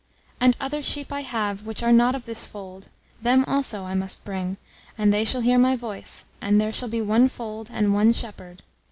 "And other sheep I have which are not of this fold: them also I must bring, and they shall hear my voice: and there shall be one fold and one shepherd."